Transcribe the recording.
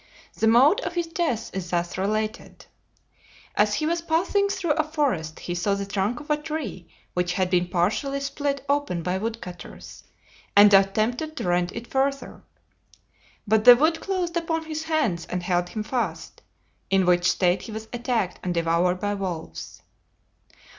The mode of his death is thus related: As he was passing through a forest he saw the trunk of a tree which had been partially split open by wood cutters, and attempted to rend it further; but the wood closed upon his hands and held him fast, in which state he was attacked and devoured by wolves.